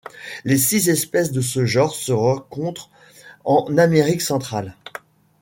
Les six espèces de ce genre se rencontrent en Amérique centrale.